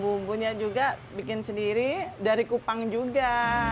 bumbunya juga bikin sendiri dari kupang juga